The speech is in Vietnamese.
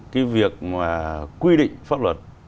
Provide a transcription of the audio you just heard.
cái việc mà quy định pháp luật